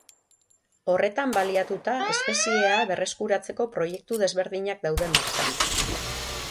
Horretan baliatuta espeziea berreskuratzeko proiektu desberdinak daude martxan.